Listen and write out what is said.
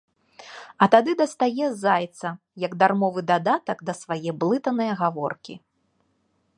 А тады дастае зайца, як дармовы дадатак да свае блытанае гаворкі.